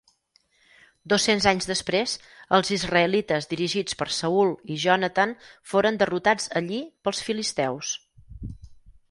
Dos-cents anys després, els israelites dirigits per Saül i Jonatan foren derrotats allí pels filisteus.